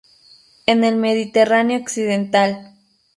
En el Mediterráneo Occidental.